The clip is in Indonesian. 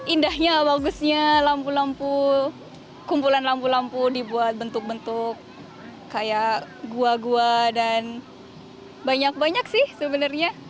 indahnya bagusnya lampu lampu kumpulan lampu lampu dibuat bentuk bentuk kayak gua gua dan banyak banyak sih sebenarnya